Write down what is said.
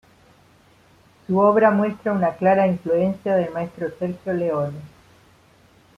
Su obra muestra una clara influencia del maestro Sergio Leone.